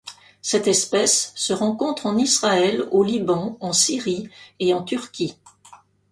Cette espèce se rencontre en Israël, au Liban, en Syrie et en Turquie.